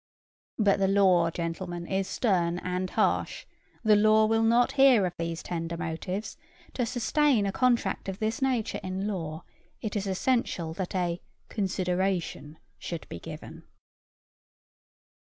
But the law, gentlemen, is stern and harsh: the law will not hear of these tender motives: to sustain a contract of this nature in law, it is essential that a 'consideration' should be given.